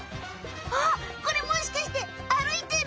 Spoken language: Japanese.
あっこれもしかして歩いてる？